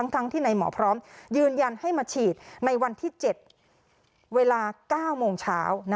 ทั้งที่ในหมอพร้อมยืนยันให้มาฉีดในวันที่๗เวลา๙โมงเช้า